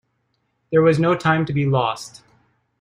There was no time to be lost.